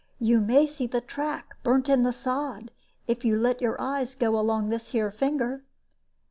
You may see the track burnt in the sod, if you let your eyes go along this here finger."